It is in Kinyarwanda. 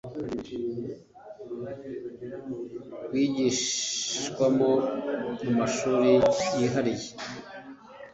rwigishwamo mu mashuri yihariye